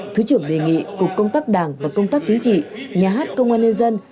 thứ trưởng đề nghị cục công tác đảng và công tác chính trị nhà hát công an nhân dân